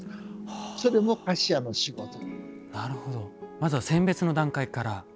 まずは選別の段階から。